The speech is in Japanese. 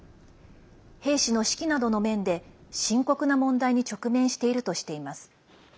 兵士の士気などの面で深刻な問題に直面しているとしています。